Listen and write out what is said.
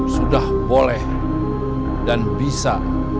sudah boleh dan bisa